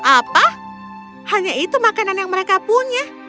apa hanya itu makanan yang mereka punya